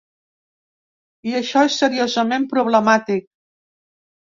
I això és seriosament problemàtic.